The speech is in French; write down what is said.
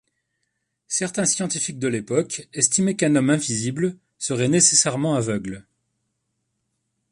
Certains scientifiques de l'époque estimaient qu'un homme invisible serait nécessairement aveugle.